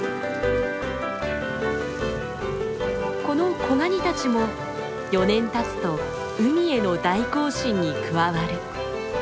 この子ガニたちも４年たつと海への大行進に加わる。